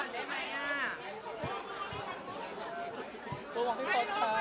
ผมขอพี่โฟนค่ะ